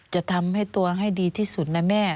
จะทำให้ตัวให้ดีที่สุดนะแม่